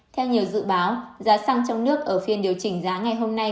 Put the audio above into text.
theo nhiều dự báo giá xăng trong nước ở phiên điều chỉnh giá ngày hôm nay